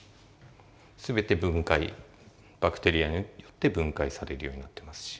全て分解バクテリアによって分解されるようになってますし。